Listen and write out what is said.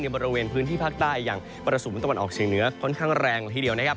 บริเวณพื้นที่ภาคใต้อย่างมรสุมตะวันออกเฉียงเหนือค่อนข้างแรงละทีเดียวนะครับ